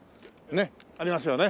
ねっありますよね。